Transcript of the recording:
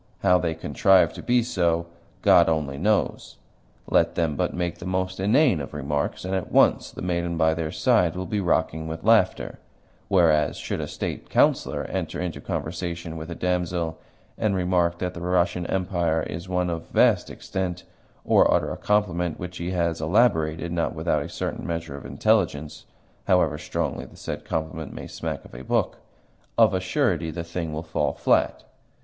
How they contrive to be so God only knows. Let them but make the most inane of remarks, and at once the maiden by their side will be rocking with laughter; whereas, should a State Councillor enter into conversation with a damsel, and remark that the Russian Empire is one of vast extent, or utter a compliment which he has elaborated not without a certain measure of intelligence (however strongly the said compliment may smack of a book), of a surety the thing will fall flat.